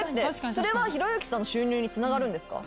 それはひろゆきさんの収入につながるんですか？